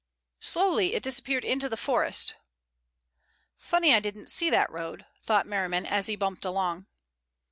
Slowly it disappeared into the forest. "Funny I didn't see that road," thought Merriman as he bumped along.